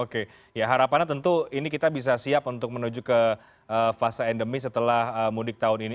oke ya harapannya tentu ini kita bisa siap untuk menuju ke fase endemi setelah mudik tahun ini